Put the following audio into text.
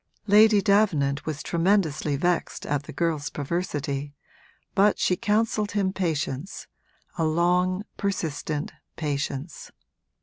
Lady Davenant was tremendously vexed at the girl's perversity, but she counselled him patience, a long, persistent patience.